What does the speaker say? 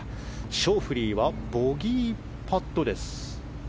ショーフリーはボギーパット。